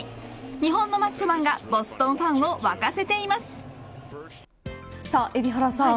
日本のマッチョマンがボストンファンをさあ海老原さん